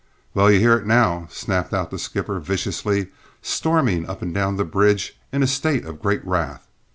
"Well, you hear it now," snapped out the skipper viciously, storming up and down the bridge in a state of great wrath.